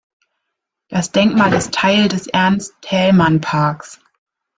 Das Denkmal ist Teil des Ernst-Thälmann-Parks.